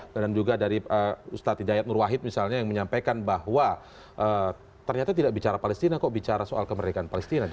dan juga dari ustaz hidayat nur wahid yang menyampaikan bahwa ternyata tidak bicara palestina kok bicara soal kemerdekaan palestina